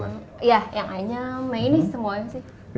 ya yang ayam ini semuanya sih